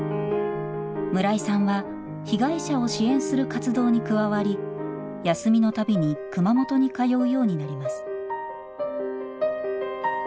村井さんは被害者を支援する活動に加わり休みの度に熊本に通うようになります。